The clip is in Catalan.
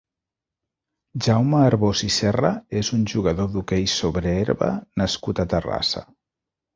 Jaume Arbós i Serra és un jugador d'hoquei sobre herba nascut a Terrassa.